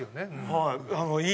はい。